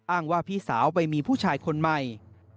ว่าพี่สาวไปมีผู้ชายคนใหม่